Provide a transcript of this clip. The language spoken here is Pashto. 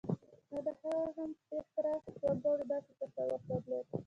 نه د هغه همفکره وګړو داسې تصور درلود.